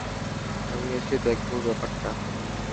আমি এসে দেখব ব্যাপারটা।